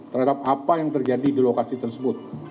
terhadap apa yang terjadi di lokasi tersebut